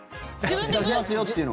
出しますよっていうのは。